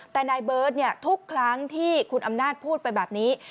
แต่นายเบิร์ตทุกครั้งที่คุณอำนาจพูดไปแบบนี้